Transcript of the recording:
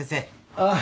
ああ。